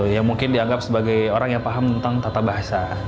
yang mungkin dianggap sebagai orang yang paham tentang tata bahasa